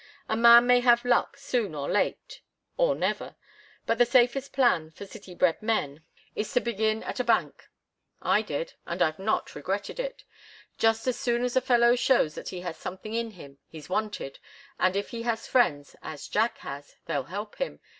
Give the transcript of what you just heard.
A man may have luck soon or late or never, but the safest plan for city bred men is to begin at a bank. I did, and I've not regretted it. Just as soon as a fellow shows that he has something in him, he's wanted, and if he has friends, as Jack has, they'll help him.